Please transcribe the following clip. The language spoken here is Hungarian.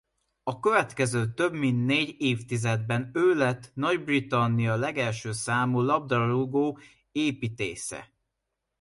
A következő több mint négy évtizedben ő lett Nagy-Britannia legelső számú labdarúgó-építésze.